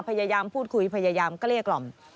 พยายามพูดคุยพยายามเกลี้ยกล่อม